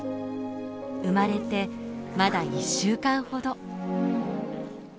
生まれてまだ１週間ほど。